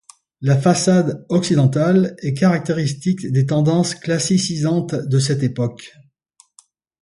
La façade occidentale est caractéristique des tendances classicisantes de cette époque.